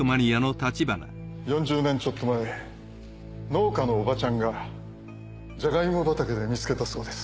４０年ちょっと前農家のおばちゃんがじゃがいも畑で見つけたそうです。